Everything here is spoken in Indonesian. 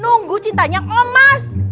nunggu cintanya om bas